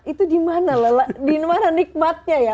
itu dimana nikmatnya ya